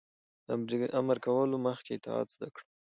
- له امر کولو مخکې اطاعت زده کړه.